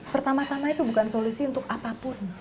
pertama tama itu bukan solusi untuk apapun